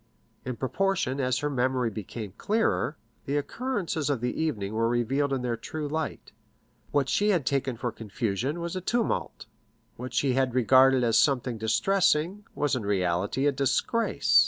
In proportion as her memory became clearer, the occurrences of the evening were revealed in their true light; what she had taken for confusion was a tumult; what she had regarded as something distressing, was in reality a disgrace.